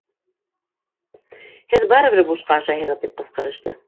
Һеҙ барыбер бушҡа ашайһығыҙ, — тип ҡысҡырышты.